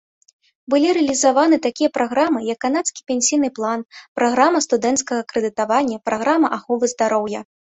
Былі рэалізаваны такія праграмы, як канадскі пенсійны план, праграма студэнцкага крэдытавання, праграма аховы здароўя.